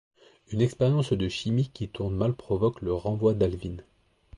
Une expérience de chimie qui tourne mal provoque le renvoi d'Alvin.